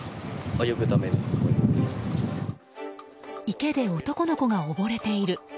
池で男の子が溺れている。